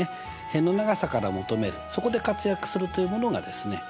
辺の長さから求めるそこで活躍するというものがですね